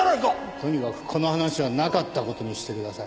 とにかくこの話はなかった事にしてください。